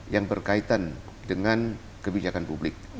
yang berkaitan dengan kebijakan publik